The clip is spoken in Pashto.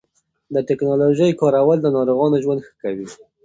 د ټېکنالوژۍ کارول د ناروغانو ژوند ښه کوي.